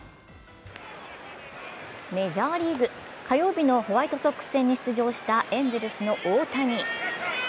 メジャーリーグ、火曜日のホワイトソックス戦に出場したエンゼルスの大谷。